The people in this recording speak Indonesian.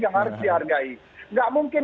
yang harus dihargai nggak mungkin